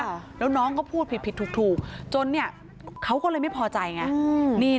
ค่ะแล้วน้องก็พูดผิดผิดถูกถูกจนเนี่ยเขาก็เลยไม่พอใจไงอืมนี่